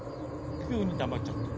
急に黙っちゃって。